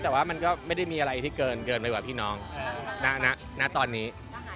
แต่ว่ามันก็ไม่ได้มีอะไรที่เกินไปกว่าพี่น้องณตอนนี้